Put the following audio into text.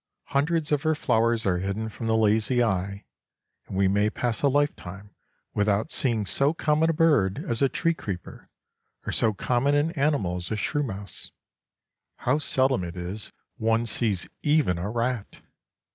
Hundreds of her flowers are hidden from the lazy eye, and we may pass a lifetime without seeing so common a bird as a tree creeper or so common an animal as a shrew mouse. How seldom it is one sees even a rat!